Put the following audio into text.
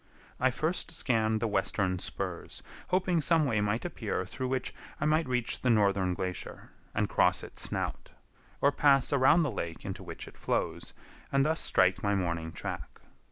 I first scanned the western spurs, hoping some way might appear through which I might reach the northern glacier, and cross its snout; or pass around the lake into which it flows, and thus strike my morning track.